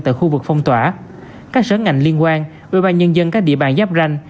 tại khu vực phong tỏa các sở ngành liên quan ủy ban nhân dân các địa bàn giáp ranh